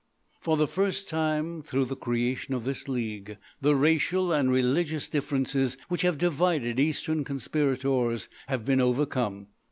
For the first time, through the creation of this league, the racial and religious differences which have divided Eastern conspirators have been overcome.